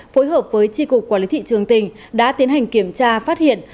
phối hợp với tri cục quản lý thị trường tỉnh đã tiến hành kiểm tra phát hiện